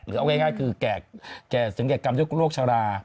หรือเอาง่ายคือแก่สินแก่กรรมโรคชารา